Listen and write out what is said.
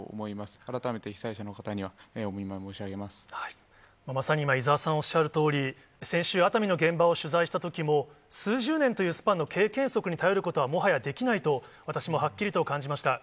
改めて被災者の方には、お見舞いまさに今、伊沢さんおっしゃるとおり、先週、熱海の現場を取材したときも、数十年というスパンの経験則に頼ることはもはやできないと私もはっきりと感じました。